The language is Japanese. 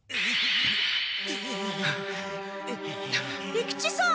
利吉さん！